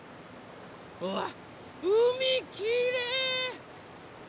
うわっうみきれい！